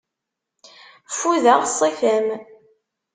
Ffudeɣ ṣṣifa-m.